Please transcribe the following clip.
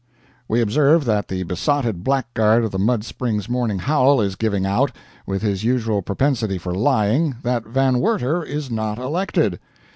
We observe that the besotted blackguard of the Mud Springs Morning Howl is giving out, with his usual propensity for lying, that Van Werter is not elected.